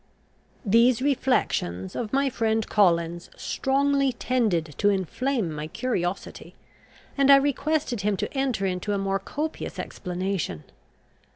These reflections of my friend Collins strongly tended to inflame my curiosity, and I requested him to enter into a more copious explanation.